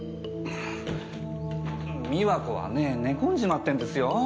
美和子はね寝込んじまってんですよ？